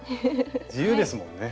自由ですもんね。